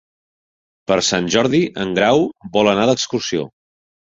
Per Sant Jordi en Grau vol anar d'excursió.